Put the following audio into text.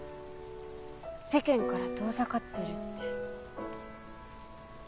世間から遠ざかってるって。